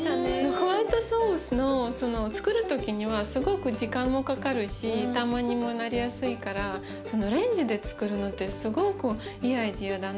ホワイトソースのつくる時にはすごく時間もかかるしダマにもなりやすいからレンジでつくるのってすごくいいアイデアだな。